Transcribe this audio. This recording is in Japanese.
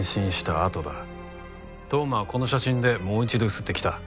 当麻はこの写真でもう一度ゆすってきた。